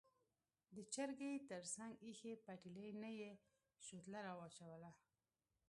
د چرګۍ تر څنګ ایښې پتیلې نه یې شوتله راواچوله.